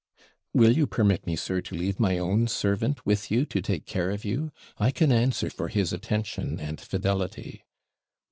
'Will you permit me, sir, to leave my own servant with you to take care of you? I can answer for his attention and fidelity.'